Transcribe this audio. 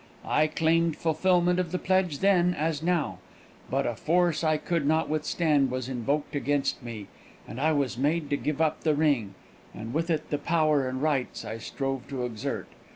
I claimed fulfilment of the pledge then, as now; but a force I could not withstand was invoked against me, and I was made to give up the ring, and with it the power and rights I strove to exert.